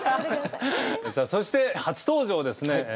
さあそして初登場ですね。